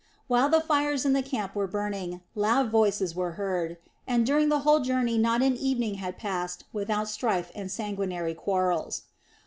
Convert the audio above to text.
While the fires in the camp were burning, loud voices were heard, and during the whole journey not an evening had passed without strife and sanguinary quarrels.